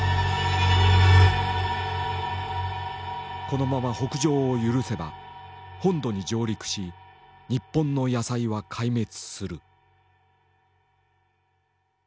このまま北上を許せば本土に上陸し日本の野菜は壊滅する。